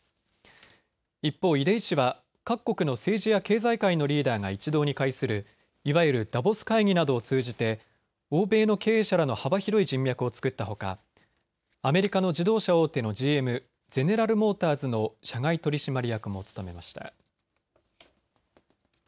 一方、出井氏は各国の政治や経済界のリーダーが一堂に会するいわゆるダボス会議などを通じて、欧米の経営者らの幅広い人脈を作ったほかアメリカの自動車大手のＧＭ・ゼネラル・モーターズの社外取締役も務めました。